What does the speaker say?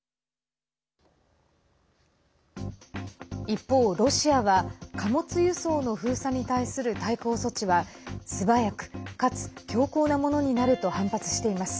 一方、ロシアは貨物輸送の封鎖に対する対抗措置は素早くかつ強硬なものになると反発しています。